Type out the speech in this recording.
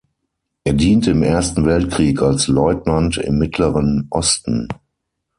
Er diente im Ersten Weltkrieg als Leutnant im Mittleren Osten.